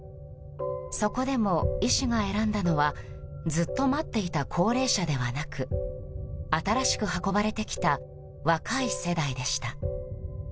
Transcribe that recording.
そこでも医師が選んだのはずっと待っていた高齢者ではなく新しく運ばれてきた若い世代でした。